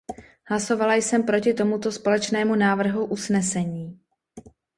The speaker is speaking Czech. Hlasovala jsem proti tomuto společnému návrhu usnesení.